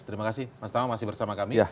terima kasih mas tama masih bersama kami